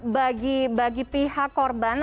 bagi bagi pihak korban